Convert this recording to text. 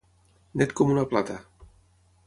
Net com una plata.